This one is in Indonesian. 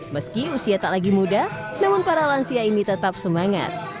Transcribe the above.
meski usia tak lagi muda namun para lansia ini tetap semangat